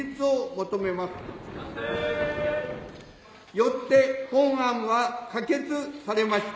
よって本案は可決されました。